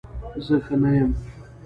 زه ښه نه یم